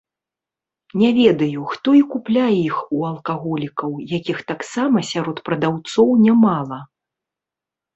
Не ведаю, хто і купляе іх у алкаголікаў, якіх таксама сярод прадаўцоў нямала.